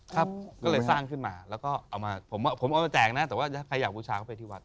ก็เลยสร้างขึ้นมาแล้วก็ผมเอามาแจกนะแต่ว่าใครอยากบูชาเข้าไปที่วัด